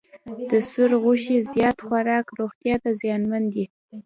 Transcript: د سور غوښې زیات خوراک روغتیا ته زیانمن دی.